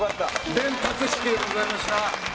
伝達式でございました。